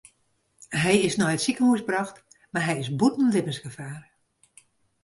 Hy is nei it sikehús brocht mar hy is bûten libbensgefaar.